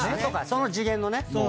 その次元のね。